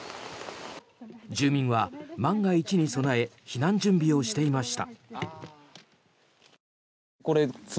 住民は万が一に備え避難準備をしていました。